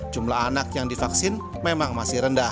jumlah anak yang divaksin memang masih rendah